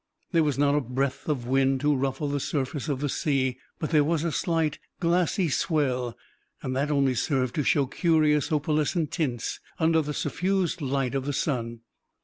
There was not a breath of wind to ruffle the surface of the sea; but there was a slight glassy swell, and that only served to show curious opalescent tints under the suffused light of the sun.